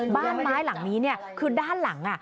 บ้านไม้หลังนี้คือด้านหลัง